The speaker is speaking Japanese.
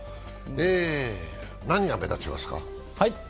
何が目立ちますか？